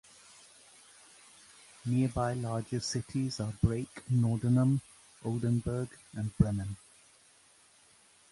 Nearby larger cities are Brake, Nordenham, Oldenburg, and Bremen.